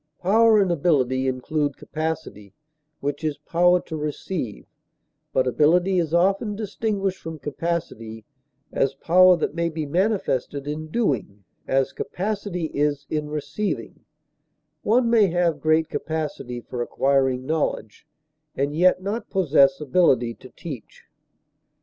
Power and ability include capacity, which is power to receive; but ability is often distinguished from capacity, as power that may be manifested in doing, as capacity is in receiving; one may have great capacity for acquiring knowledge, and yet not possess ability to teach.